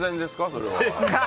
それは。